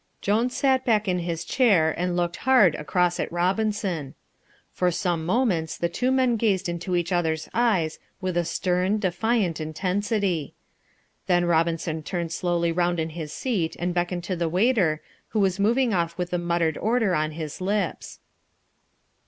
Jones sat back in his chair and looked hard across at Robinson. For some moments the two men gazed into each other's eyes with a stern, defiant intensity. Then Robinson turned slowly round in his seat and beckoned to the waiter, who was moving off with the muttered order on his lips.